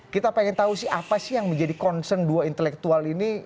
kita pengen tahu sih apa sih yang menjadi concern dua duanya itu kan termanifestasi dari sosial media